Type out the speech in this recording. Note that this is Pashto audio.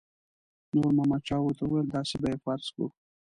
نور محمد شاه ورته وویل داسې به یې فرض کړو.